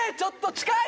近い！